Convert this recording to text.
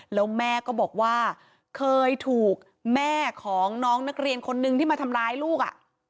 แล้วแม่ก็บอกว่าเคยถูกแม่ของน้องนักเรียนคนนึงที่มาทำร้ายลูก